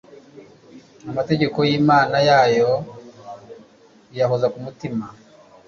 amategeko y'imana yayo iyahoza ku mutima